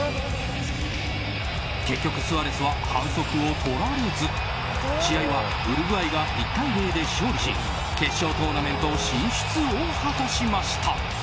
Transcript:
結局スアレスは反則を取られず試合はウルグアイが１対０で勝利し決勝トーナメント進出を果たしました。